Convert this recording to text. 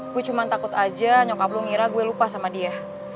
gue cuma takut aja nyokap lo ngira gue lupa sama dia